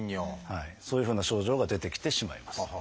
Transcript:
そういうふうな症状が出てきてしまいます。